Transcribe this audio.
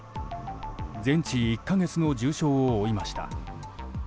全治１か月の重傷を負いました。